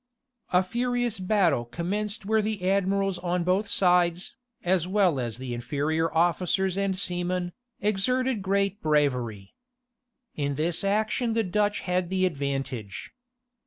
A furious battle commenced where the admirals on both sides, as well as the inferior officers and seamen, exerted great bravery. In this action the Dutch had the advantage.